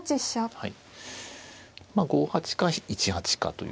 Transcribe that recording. はい。